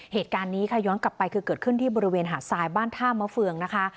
เหตุการณ์นี้ค่ะย้อนกลับไปคือเกิดขึ้นที่บริเวณหาดทรายบ้านท่ามะเฟืองนะคะ